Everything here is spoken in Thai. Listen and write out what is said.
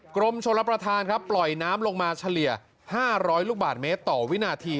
กรมชนรับประทานครับปล่อยน้ำลงมาเฉลี่ย๕๐๐ลูกบาทเมตรต่อวินาที